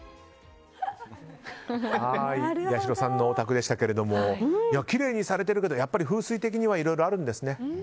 やしろさんのお宅でしたけどきれいにされているけど風水的にはいろいろあるんですね。